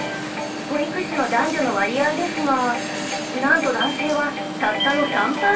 保育士の男女の割合ですがなんと男性はたったの３％。